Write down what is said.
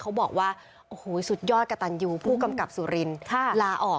เขาบอกว่าโอ้โหสุดยอดกระตันยูผู้กำกับสุรินทร์ลาออก